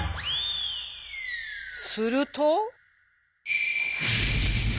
すると。